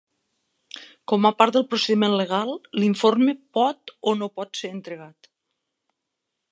Com a part del procediment legal, l'informe pot o no pot ser entregat.